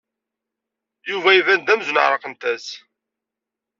Yuba iban-d amzun ɛerqent-as.